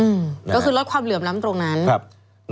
ก็คือลดความเหลือมล้ำตรงนั้น